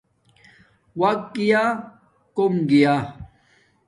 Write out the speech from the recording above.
وقت گیا کوم گیا